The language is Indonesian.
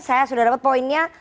saya sudah dapat poinnya